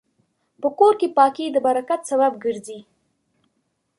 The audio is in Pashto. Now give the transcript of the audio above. په کور کې پاکي د برکت سبب ګرځي.